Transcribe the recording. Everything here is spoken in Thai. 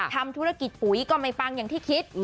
ทำธุรกิจปุ๋ยก็ไม่ปังอย่างที่คิด